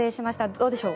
どうでしょう？